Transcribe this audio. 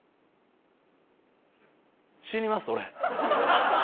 死にます俺。